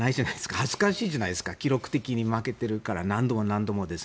恥ずかしいじゃないですか記録的に負けているから何度も何度も。